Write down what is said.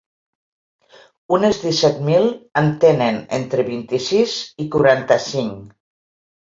Unes disset mil en tenen entre vint-i-sis i quaranta-cinc.